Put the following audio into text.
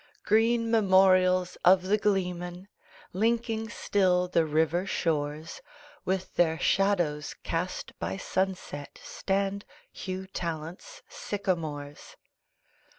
Green memorials of the gleeman! Linking still the river shores, With their shadows cast by sunset Stand Hugh Tallant's sycamores!